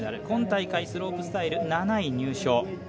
今大会スロープスタイル７位入賞。